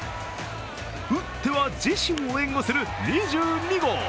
打っては自身を援護する２２号。